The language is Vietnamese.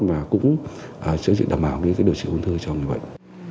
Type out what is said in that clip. mà cũng chữa trị đảm bảo điều trị ung thư cho người bệnh